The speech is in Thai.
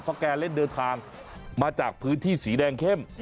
เพราะแกเล่นเดินทางมาจากพื้นที่สีแดงเข้ม